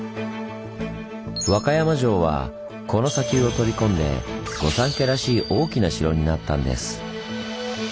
和歌山城はこの砂丘を取り込んで御三家らしい大きな城になったんです。